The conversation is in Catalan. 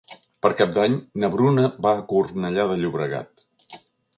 Per Cap d'Any na Bruna va a Cornellà de Llobregat.